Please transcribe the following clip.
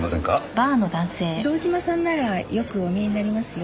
堂島さんならよくお見えになりますよ。